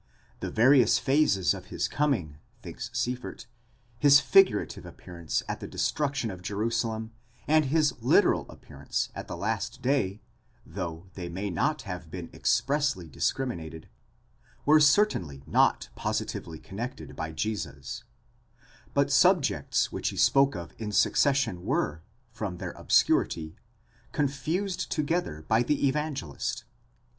17_ The various phases of his coming, thinks Sieffert, his figurative appearance at the destruction of Jerusalem, and his literal appearance at the last day, though they may not have been expressly discriminated, were certainly not positively connected by Jesus; but subjects which he spoke of in succession were, from*their obscurity, confused together by the Evangelist.